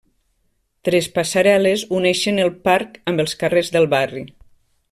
Tres passarel·les unixen el parc amb els carrers del barri.